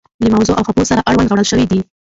له موضوع او خبور سره اړوند راوړل شوي دي.